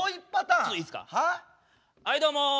はいどうも。